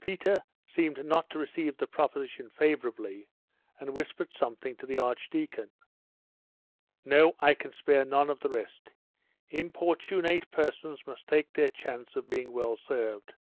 Peter seemed not to receive the proposition favourably, and whispered something to the archdeacon.... 'No. I can spare none of the rest. Importunate persons must take their chance of being well served.